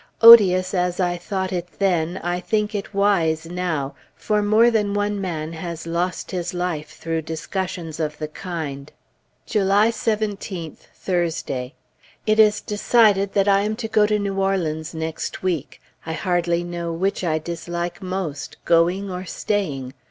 Odious as I thought it then, I think it wise now; for more than one man has lost his life through discussions of the kind. July 17th, Thursday. It is decided that I am to go to New Orleans next week. I hardly know which I dislike most, going or staying.